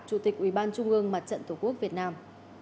chủ tịch ủy ban trung ương mặt trận tổ quốc việt nam